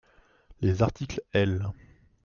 Les articles L.